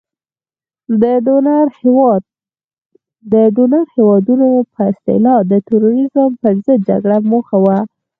د ډونر هیوادونو په اصطلاح د تروریزم په ضد جګړه موخه وه.